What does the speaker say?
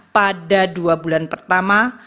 pada dua bulan pertama